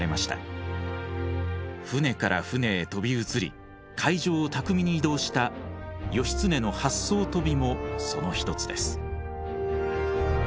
舟から舟へ飛び移り海上を巧みに移動した義経の八艘飛びもその一つです。